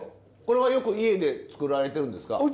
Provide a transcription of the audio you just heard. これはよく家で作られてるんですか？